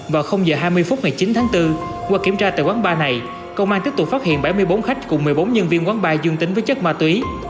vào giờ hai mươi phút ngày chín tháng bốn qua kiểm tra tại quán bar này công an tiếp tục phát hiện bảy mươi bốn khách cùng một mươi bốn nhân viên quán bar dương tính với chất ma túy